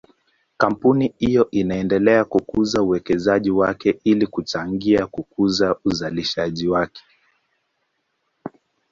Kampuni hiyo inaendelea kukuza uwekezaji wake ili kuchangia kukuza uzalishaji wake.